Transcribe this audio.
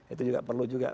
itu juga perlu juga